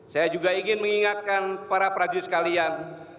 saya juga ingin mengingatkan para prajurit sekalian